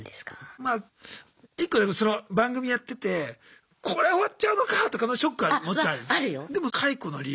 まあ１個その番組やっててこれ終わっちゃうのか！とかのショックはもちろんあります。